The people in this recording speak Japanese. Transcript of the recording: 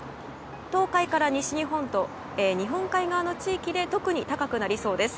東海から西日本と日本海側の地域で特に高くなりそうです。